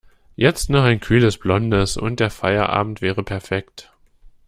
Jetzt noch ein kühles Blondes und der Feierabend wäre perfekt.